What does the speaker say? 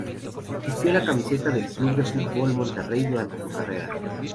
Vistió la camiseta del Club de Fútbol Monterrey durante su carrera.